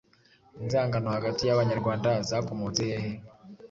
Inzangano hagati y'Abanyarwanda zakomotse hehe?